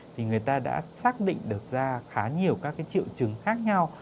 thì người ta đã xác định được ra khá nhiều các triệu chứng khác nhau